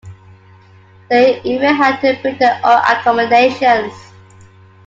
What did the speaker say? They even had to build their own accommodations.